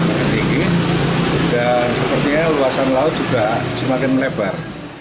dan sepertinya luasan laut juga semakin melebar